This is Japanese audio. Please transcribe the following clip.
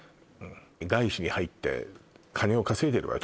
外資に入って金を稼いでるわよ